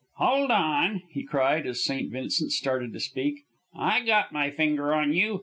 "Hold on!" he cried, as St. Vincent started to speak, "I got my finger on you.